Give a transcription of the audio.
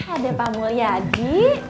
ada pak mulia di